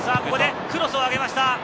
ここでクロスを上げました。